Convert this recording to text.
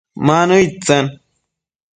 Ma nëid tsen ?